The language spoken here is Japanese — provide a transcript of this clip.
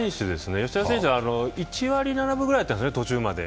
吉田選手は１割７分ぐらいだったんですね、途中まで。